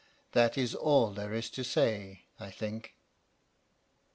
That is all there is to say, I think....